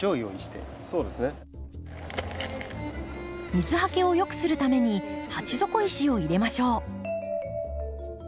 水はけをよくするために鉢底石を入れましょう。